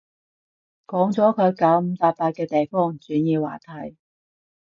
講咗佢九唔搭八嘅地方，轉移話題